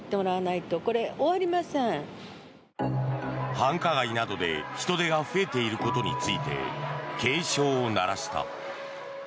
繁華街などで人出が増えていることについて警鐘を鳴らした。